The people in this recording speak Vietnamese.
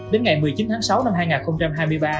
đến ngày một mươi chín tháng sáu năm hai nghìn hai mươi ba